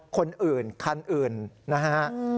คนอื่นคันอื่นนะฮะ